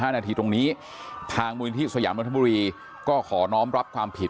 ๑๕นาทีตรงนี้ทางบุญที่สยามลธบุรีก็ขอน้อมรับความผิด